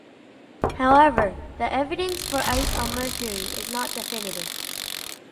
However, the evidence for ice on Mercury is not definitive.